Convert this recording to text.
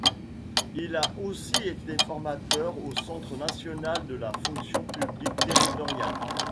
Il a aussi été formateur au Centre national de la fonction publique territoriale.